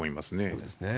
そうですね。